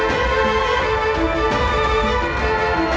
สวัสดีครับสวัสดีครับ